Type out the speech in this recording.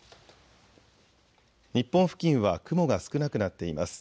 日本付近は雲が少なくなっています。